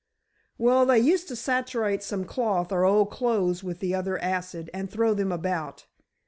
"Well, they used to saturate some cloth or old clothes with the other acid, and throw them about.